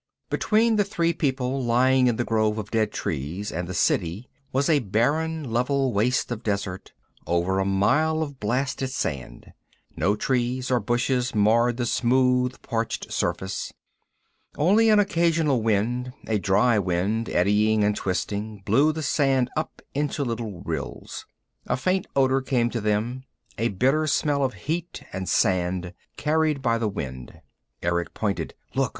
Between the three people lying in the grove of dead trees and the City was a barren, level waste of desert, over a mile of blasted sand. No trees or bushes marred the smooth, parched surface. Only an occasional wind, a dry wind eddying and twisting, blew the sand up into little rills. A faint odor came to them, a bitter smell of heat and sand, carried by the wind. Erick pointed. "Look.